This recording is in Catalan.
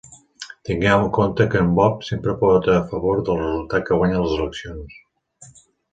Tingueu en compte que en Bob sempre vota a favor del resultat que guanya les eleccions.